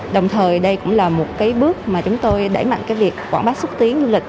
đồng thời đây cũng là một cái bước mà chúng tôi đẩy mạnh cái việc quảng bá xúc tiến du lịch